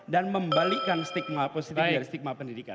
dan membalikan stigma positif dari stigma pendidikan